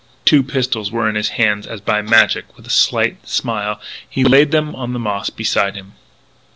Two pistols were in his hands as by magic. With a slight smile he laid them on the moss beside him.